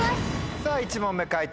さぁ１問目解答